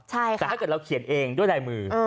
แต่ถ้าเกิดเราเขียนเองด้วยลายมือ